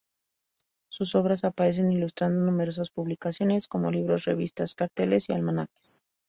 Sus obras aparecen ilustrando numerosas publicaciones como libros, revistas, carteles y almanaques.